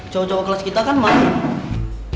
jawa jawa kelas kita kan malem